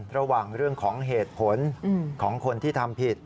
ระหว่างเรื่องของเหตุผลของคนที่ทำผิด